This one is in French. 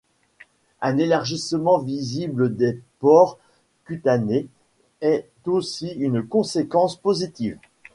Un élargissement visible des pores cutanés est aussi une conséquence possible.